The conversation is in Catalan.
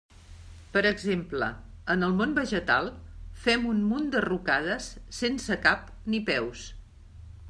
Per exemple, en el món vegetal fem un munt de rucades sense cap ni peus.